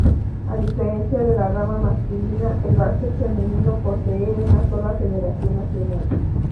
A diferencia de la rama masculina, el básquet femenino posee una sola federación nacional.